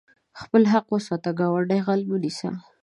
خپل ځان وساته، ګاونډی غل مه نيسه.